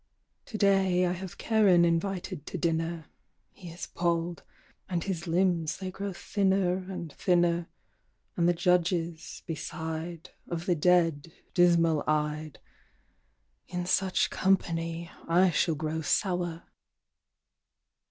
"To day I have Charon invited to dinner, He is bald, and his limbs they grow thinner and thinner, And the judges, beside, Of the dead, dismal eyed, In such company I shall grow sour."